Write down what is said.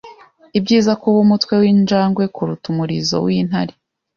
Ibyiza kuba umutwe winjangwe kuruta umurizo wintare.